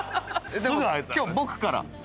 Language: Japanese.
今日僕から。